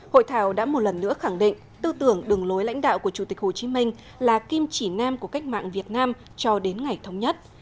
hội thảo đã một lần nữa khẳng định tư tưởng đường lối lãnh đạo của chủ tịch hồ chí minh là kim chỉ nam của cách mạng việt nam cho đến ngày thống nhất